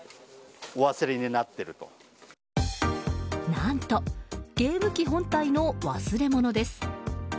何とゲーム機本体の忘れ物です。